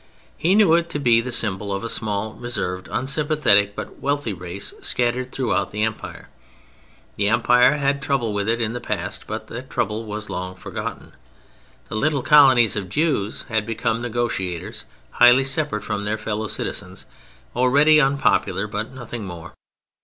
He knew it to be the symbol of a small, reserved, unsympathetic but wealthy race scattered throughout the Empire. The Empire had had trouble with it in the past, but that trouble was long forgotten; the little colonies of Jews had become negotiators, highly separate from their fellow citizens, already unpopular, but nothing more.